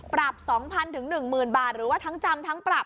ปรับ๒๐๐๐ถึง๑๐๐๐๐บาทหรือว่าทั้งจำทั้งปรับ